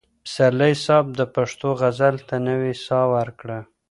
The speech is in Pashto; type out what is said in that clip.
پسرلي صاحب د پښتو غزل ته نوې ساه ورکړه.